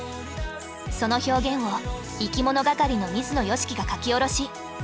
その表現をいきものがかりの水野良樹が書き下ろし。